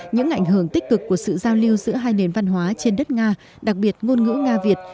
những ảnh hưởng tích cực của sự giao lưu giữa hai nền văn hóa trên đất nga đặc biệt ngôn ngữ nga việt